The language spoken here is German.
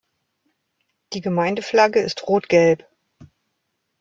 Die Gemeindeflagge ist rot-gelb.